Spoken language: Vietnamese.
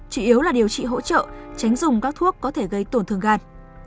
chủ yếu là điều trị hỗ trợ tránh dùng các thuốc có thể gây tổn thương gan